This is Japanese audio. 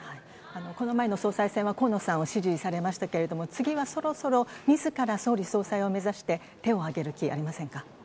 この前の総裁選は河野さんを支持されましたけれども、次はそろそろみずから、総理総裁を目指して、手を挙げる気はありませんか？